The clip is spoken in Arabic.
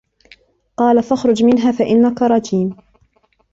قَالَ فَاخْرُجْ مِنْهَا فَإِنَّكَ رَجِيمٌ